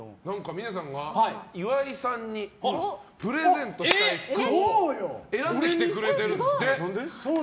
峰さんが岩井さんにプレゼントしたい服を選んできてくれてるんですって。